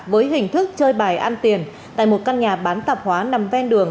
với hình thức chơi bài ăn tiền tại một căn nhà bán tạp hóa nằm ven đường